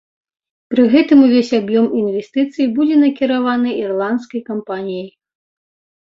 Пры гэтым увесь аб'ём інвестыцый будзе накіраваны ірландскай кампаніяй.